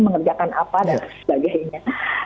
mengerjakan apa dan sebagainya